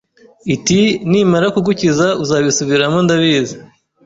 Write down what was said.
iti nimara kugukiza uzabisubiramo ndabizi